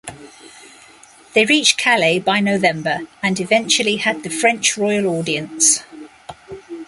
They reached Calais by November and eventually had the French royal audience.